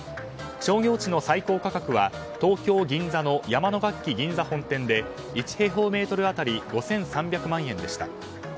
商業地の最高価格は東京・銀座の山野楽器銀座本店で１平方メートル当たり５３０万円でした。